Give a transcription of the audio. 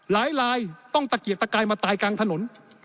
ลายต้องตะเกียกตะกายมาตายกลางถนน